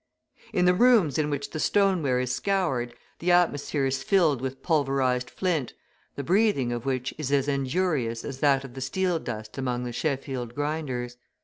In the rooms in which the stoneware is scoured, the atmosphere is filled with pulverised flint, the breathing of which is as injurious as that of the steel dust among the Sheffield grinders.